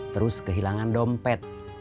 terus kehilangan dompet